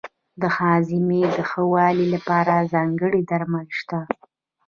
د هاضمې د ښه والي لپاره ځانګړي درمل شته.